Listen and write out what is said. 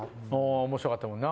お面白かったもんな。